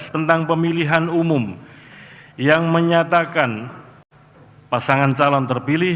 tentang pemilihan umum yang menyatakan pasangan calon terpilih